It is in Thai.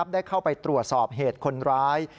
ได้เข้าไปตรวจสอบเหตุคนร้าย